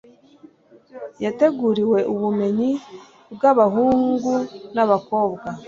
yateguriwe ubumenyi bw'abahungu n'abakobwa